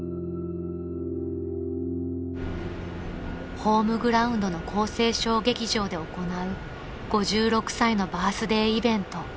［ホームグラウンドの晃生ショー劇場で行う５６歳のバースデーイベント］